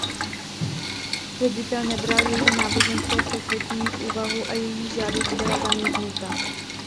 Ředitel nebral její náboženské přesvědčení v úvahu a její žádost byla zamítnuta.